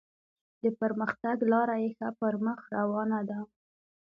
د پرمختګ لاره یې ښه پر مخ روانه ده.